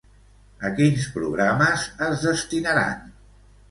A quins programes es destinaran?